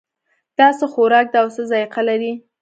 دا څه خوراک ده او څه ذائقه لري